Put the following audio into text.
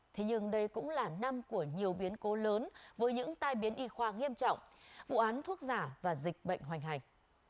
thế nhưng đây cũng là năm của nhiều biến cố lớn với những tai biến y khoa nghiêm trọng vụ án thuốc giả và dịch bệnh hoành hành